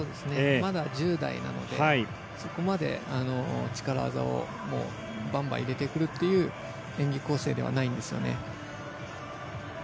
まだ１０代なのでそこまで力技をバンバン入れてくるという演技構成ではないんですよね。